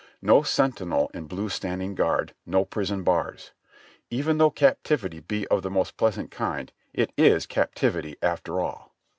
No sentinel in blue standing guard, no prison bars ! Even though captivity be of the most pleasant kind, it is captivity after all.